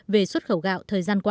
về xuất khẩu gạo thời gian qua